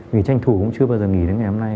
vì tranh thủ cũng chưa bao giờ nghỉ đến ngày hôm nay